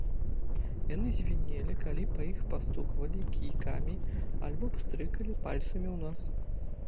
Яны звінелі, калі па іх пастуквалі кійкамі альбо пстрыкалі пальцамі ў нос.